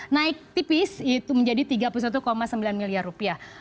naik tipis itu menjadi tiga puluh satu sembilan miliar rupiah